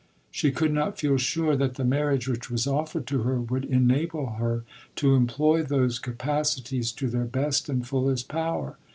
She could not feel sure that the marriage which was offered to her would enable her to employ those capacities to their best and fullest power.